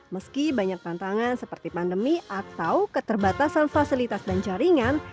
meski banyak tantangan seperti pandemi atau keterbatasan fasilitas dan jaringan